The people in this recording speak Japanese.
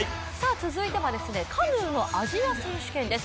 続いてはカヌーのアジア選手権です。